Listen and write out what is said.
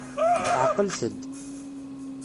Ɛeqlet-d.